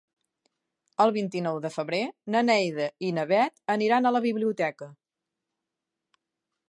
El vint-i-nou de febrer na Neida i na Bet aniran a la biblioteca.